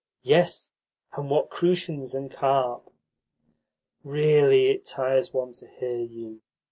Yes, and what crucians and carp!" "Really it tires one to hear you.